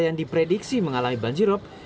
yang diprediksi mengalami banjir rop